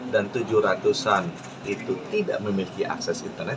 dan tujuh an itu tidak memiliki akses internet